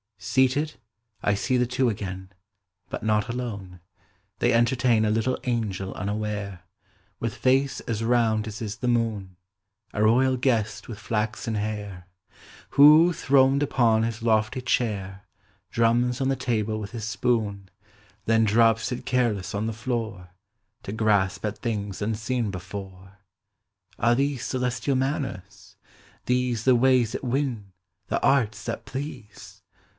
Seated I see the two again, But not alone; the.v entertain A little angej unaware, With face as round as is the moon; A royal guest with flaxen hair. Who, throned upon his lofty chair, Drums on the table with his spoon, Then drops it careless on the floor, . To grasp at things unseen before. Are these celestial manners? these The ways that win. the arts that please?